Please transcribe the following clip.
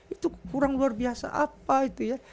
itu kurang luar biasa apa itu ya